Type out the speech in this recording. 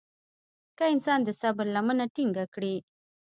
که انسان د صبر لمنه ټينګه کړي.